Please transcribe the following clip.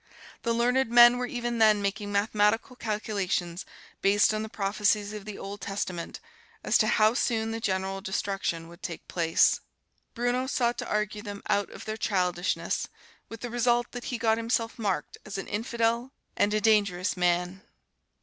The learned men were even then making mathematical calculations, based on the prophecies of the Old Testament, as to how soon the general destruction would take place. Bruno sought to argue them out of their childishness, with the result that he got himself marked as an infidel and a dangerous man.